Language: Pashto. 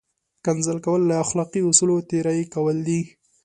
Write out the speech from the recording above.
کنځل کول له اخلاقي اصولو تېری کول دي!